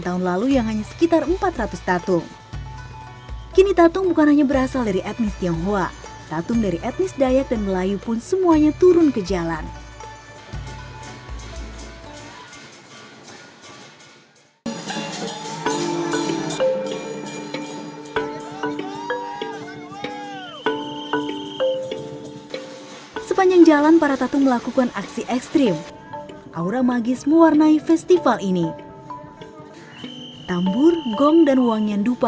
tandu tandu berparang dan para pemikulnya juga telah bersiap